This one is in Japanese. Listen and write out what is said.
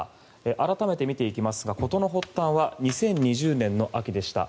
改めて見ていきますが事の発端は２０２０年の秋でした。